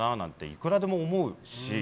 いくらでも思うし。